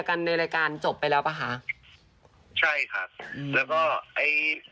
ค่ะคือถ้าผมก็แก้อยู่ไปแล้วแหละ